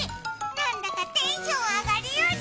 なんだかテンション上がるよね。